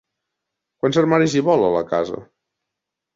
Quants armaris hi vol, a la casa?